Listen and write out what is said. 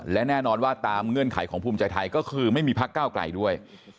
และแน่นอนว่าตามเงื่อนไขของภูมิใจไทยก็คือไม่มีพักเก้าไกลด้วย